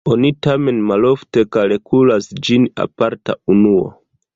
Oni tamen malofte kalkulas ĝin aparta unuo.